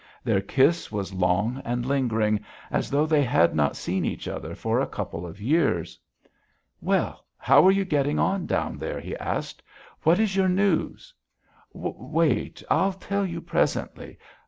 Their kiss was long and lingering as though they had not seen each other for a couple of years. "Well, how are you getting on down there?" he asked. "What is your news?" "Wait. I'll tell you presently....